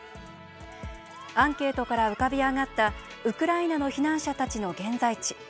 アンケートから浮かび上がったウクライナの避難者たちの現在地。